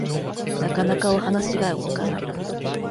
なかなかお話が動かない